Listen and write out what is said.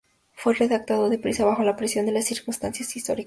Fue redactado deprisa, bajo la presión de las circunstancias históricas.